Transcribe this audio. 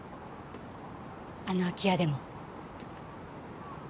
あの空き家でも。